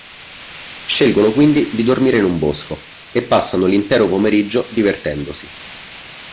Scelgono quindi di dormire in un bosco, e passano l'intero pomeriggio divertendosi.